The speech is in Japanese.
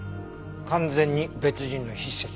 完全に別人の筆跡。